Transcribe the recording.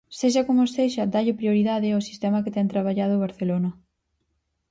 Sexa como sexa, dálle prioridade ao sistema que ten traballado o Barcelona.